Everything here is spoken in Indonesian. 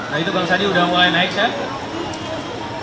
nah itu bang sandi udah mulai naik saya